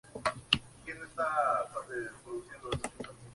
Los terratenientes serían transportados hacia Connaught y a otras provincias.